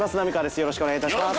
よろしくお願いします。